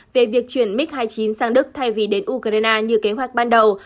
về việc chuyển mig hai mươi chín sang đức thay vì đến ukraine như kế hoạch ban đầu